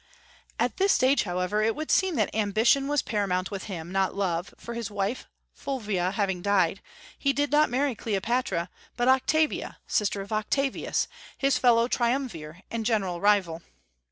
At this stage, however, it would seem that ambition was paramount with him, not love; for his wife Fulvia having died, he did not marry Cleopatra, but Octavia, sister of Octavius, his fellow triumvir and general rival.